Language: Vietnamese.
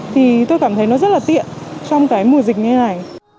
thì tôi cảm thấy nó rất là tiện trong cái mùa dịch như thế này